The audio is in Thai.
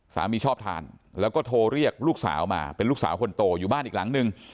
ชอบทานแล้วก็โทรเรียกลูกสาวมาเป็นลูกสาวคนโตอยู่บ้านอีกหลังนึง